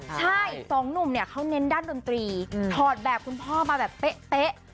ใช่สองหนุ่มเนี่ยเขาเน้นด้านดนตรีถอดแบบคุณพ่อมาแบบเป๊ะ